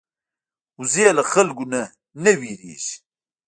وزې له خلکو نه نه وېرېږي